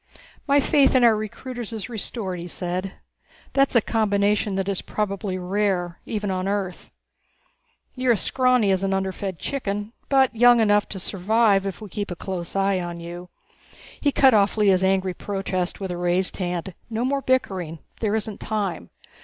"My faith in our recruiters is restored," he said. "That's a combination that is probably rare even on Earth. You're as scrawny as an underfed chicken, but young enough to survive if we keep a close eye on you." He cut off Lea's angry protest with a raised hand. "No more bickering. There isn't time.